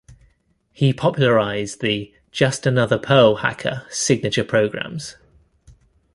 He popularized the Just another Perl hacker signature programs.